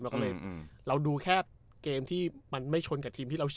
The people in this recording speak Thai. เราก็เลยเราดูแค่เกมที่มันไม่ชนกับทีมที่เรา